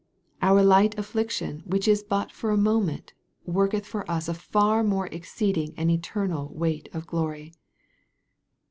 " Our light affliction, which is but for a moment, worketh for us a far more exceeding and eternal weight of glory."